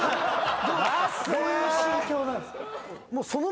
どういう心境なんすか？